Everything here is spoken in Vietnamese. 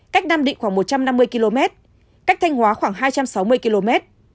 cách nam định khoảng một trăm năm mươi km cách thanh hóa khoảng hai trăm sáu mươi km